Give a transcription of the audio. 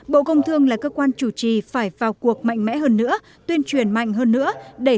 bộ công thương là cơ quan chủ trì phải vào cuộc mạnh mẽ hơn nữa tuyên truyền mạnh hơn nữa